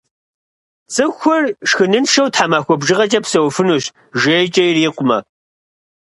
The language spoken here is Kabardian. Цӏыхур шхыныншэу тхьэмахуэ бжыгъэкӏэ псэуфынущ, жейкӏэ ирикъумэ.